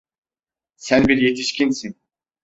Sen bir yetişkinsin.